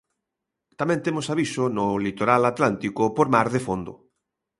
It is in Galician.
Tamén temos aviso no litoral atlántico por mar de fondo.